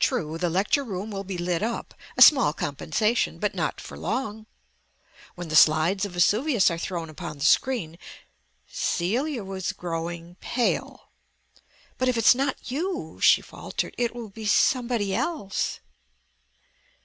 True, the lecture room will be lit up a small compensation but not for long. When the slides of Vesuvius are thrown upon the screen " Celia was going pale. "But if it's not you," she faltered, "it will be somebody else."